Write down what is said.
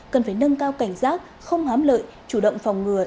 cần phải nâng cao cảnh giác không hám lợi chủ động phòng ngừa